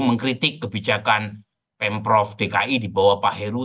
wi menyokong kebijakan pm prof dki di bawah cameron langsung brahmi